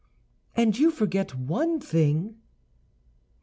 "And you forget one thing."